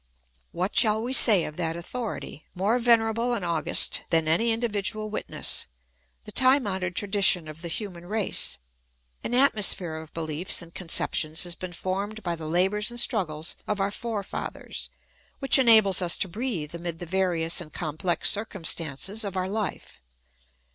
What shall we say of that authority, more venerable and august than any individual witness, the time honoured tradition of the human race? An atmo sphere of beliefs and conceptions has been formed by the labours and struggles of our forefathers, which enables us to breathe amid the various and complex circumstances of our hfe.